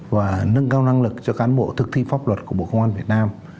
và nâng cao năng lực cho cán bộ thực thi pháp luật của bộ công an việt nam